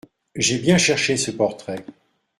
J'ai bien cherché ce portrait.